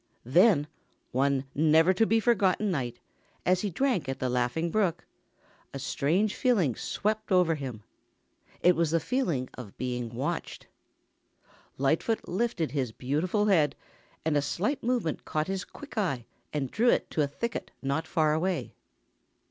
Then, one never to be forgotten night, as he drank at the Laughing Brook, a strange feeling swept over him. It was the feeling of being watched. Lightfoot lifted his beautiful head and a slight movement caught his quick eye and drew it to a thicket not far away.